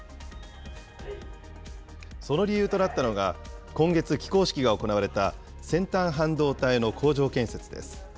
その理由となったのが、今月、起工式が行われた先端半導体の工場建設です。